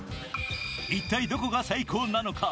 一体、どこが最高なのか？